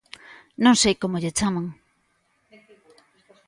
Non sei como lle chaman.